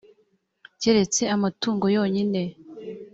keretse amatungo yonyine